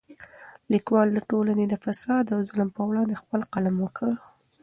لیکوال د ټولنې د فساد او ظلم پر وړاندې خپل قلم وکاراوه.